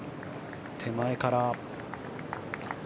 手前から。